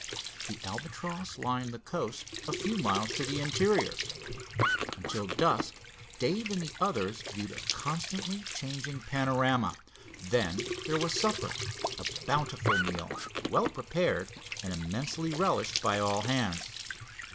The Albatross lined the coast a few miles to the interior. Until dusk Dave and the others viewed a constantly changing panorama. Then there was supper, a bountiful meal, well prepared, and immensely relished by all hands.